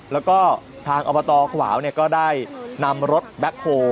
แล้วก็ทางอบตขวาวก็ได้นำรถแบ็คโฮล